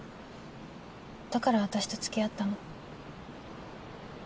だから私と付き合ったの？